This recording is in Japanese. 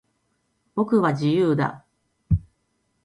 僕は、自由だ。